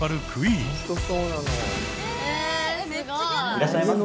いらっしゃいませ。